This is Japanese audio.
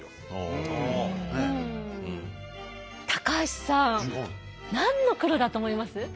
高橋さん何の黒だと思います？